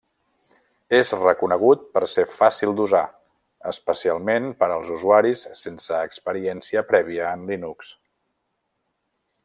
És reconegut per ser fàcil d'usar, especialment per als usuaris sense experiència prèvia en Linux.